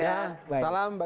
waalaikumsalam pak ian